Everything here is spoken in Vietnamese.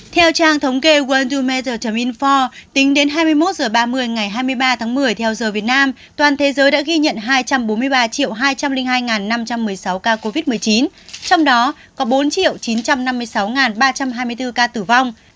theo trang thống kê world dumater infore tính đến hai mươi một h ba mươi ngày hai mươi ba tháng một mươi theo giờ việt nam toàn thế giới đã ghi nhận hai trăm bốn mươi ba hai trăm linh hai năm trăm một mươi sáu ca covid một mươi chín trong đó có bốn chín trăm năm mươi sáu ba trăm hai mươi bốn ca tử vong